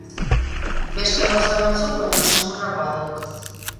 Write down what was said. Beste gauza batzuk baino samurragoa duk.